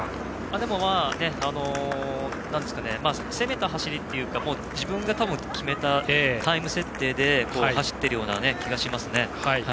でも、攻めた走りというか自分が決めたタイム設定で走っているような気がします。